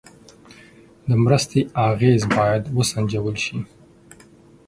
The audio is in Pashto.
د مرستې اغېز باید سنجول شي.